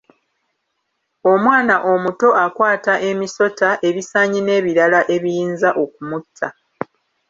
Omwana omuto akwata emisota, ebisaanyi n'ebirala ebiyinza okumutta.